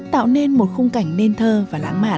tạo nên một khung cảnh nên thơ và lãng mạn